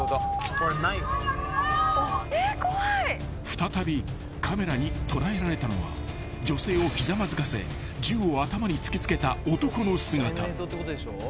［再びカメラに捉えられたのは女性をひざまずかせ銃を頭に突き付けた男の姿］